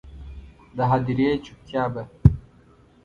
د هدیرې چوپتیا به،